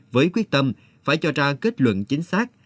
với quyết tâm phải cho ra kết luận chính xác